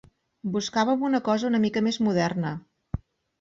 Buscàvem una cosa una mica més moderna.